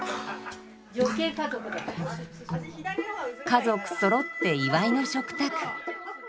家族そろって祝いの食卓。